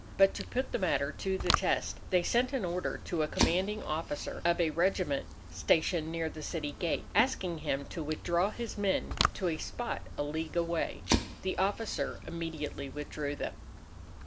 But to put the matter to the test, they sent an order to a commanding officer of a regiment stationed near the city gate, asking him to withdraw his men to a spot a league away. The officer immediately withdrew them.